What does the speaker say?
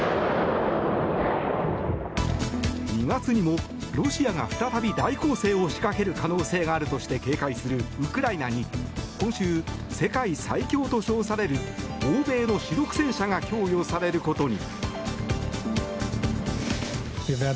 ２月にもロシアが再び大攻勢を仕掛ける可能性があるとして警戒するウクライナに今週、世界最強と称される欧米の主力戦車が供与されることに。